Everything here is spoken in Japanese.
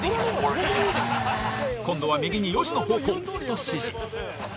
今度は右に４時の方向と指示。